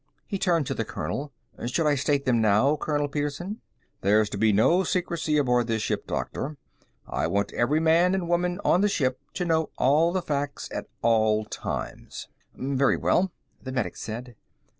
He turned to the colonel. "Should I state them now, Colonel Petersen?" "There's to be no secrecy aboard this ship, Doctor. I want every man and woman on the ship to know all the facts at all times." "Very well," the medic said.